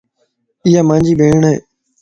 ايا مانجي ڀيڻ ائي